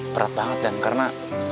perat banget dan karena